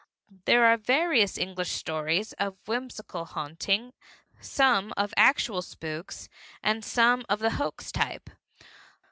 There are various English stories of whimsical haunting, some of actual spooks and some of the hoax type.